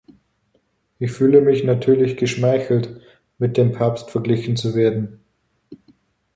Ich fühle mich natürlich geschmeichelt, mit dem Papst verglichen zu werden.